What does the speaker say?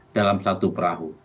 dalam satu perahu